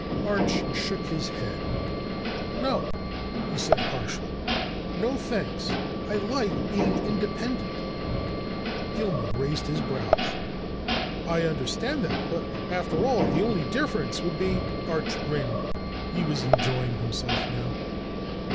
Arch shook his head. "No," he said harshly. "No, thanks. I like being independent." Gilmer raised his brows. "I understand that. But after all, the only difference would be " Arch grinned. He was enjoying himself now.